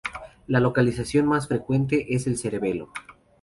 La localización más frecuente es el cerebelo.